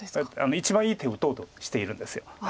一番いい手を打とうとしているんです。